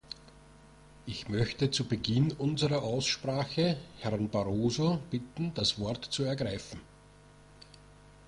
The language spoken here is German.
Ich möchte zu Beginn unserer Aussprache Herrn Barroso bitten, das Wort zu ergreifen.